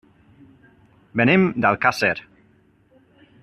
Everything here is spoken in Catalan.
Venim d'Alcàsser.